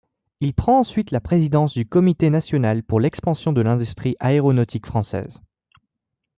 Il prend ensuite la présidence du comité national pour l’expansion de l’industrie aéronautique française.